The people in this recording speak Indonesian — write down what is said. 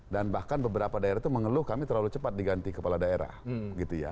dan bahkan beberapa daerah itu mengeluh kami terlalu cepat diganti kepala daerah gitu ya